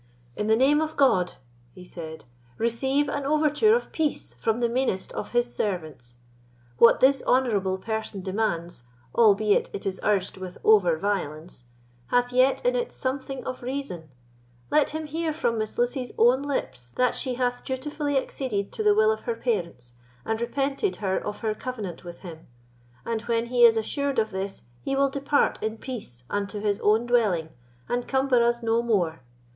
"In the name of God," he said, "receive an overture of peace from the meanest of His servants. What this honourable person demands, albeit it is urged with over violence, hath yet in it something of reason. Let him hear from Miss Lucy's own lips that she hath dutifully acceded to the will of her parents, and repenteth her of her covenant with him; and when he is assured of this he will depart in peace unto his own dwelling, and cumber us no more.